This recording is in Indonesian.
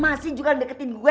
masih juga deketin gue